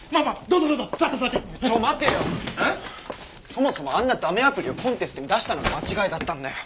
そもそもあんな駄目アプリをコンテストに出したのが間違いだったんだよ。